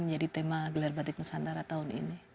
menjadi tema gelar batik nusantara tahun ini